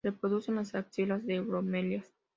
Se reproduce en las axilas de bromelias.